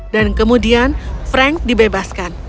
dan kemudian frank dibebaskan